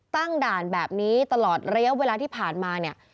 ด่านแบบนี้ตลอดระยะเวลาที่ผ่านมาเนี่ย